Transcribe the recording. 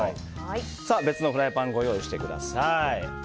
別のフライパンご用意してください。